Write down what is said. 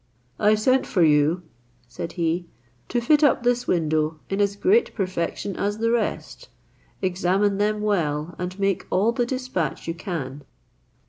"I sent for you," said he, "to fit up this window in as great perfection as the rest; examine them well and make all the dispatch you can."